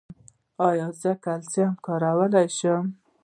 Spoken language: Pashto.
ایا زه کلسیم کارولی شم؟